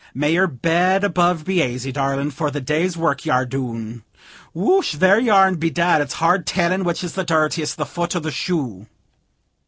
May your bed above be aisy darlin', for the day's work ye ar doon! Whoosh! there ye are, and bedad, it's hard tellin' which is the dirtiest, the fut or the shoe."